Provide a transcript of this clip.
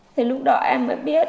thì lúc đó em mới biết